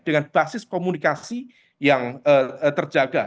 dengan basis komunikasi yang terjaga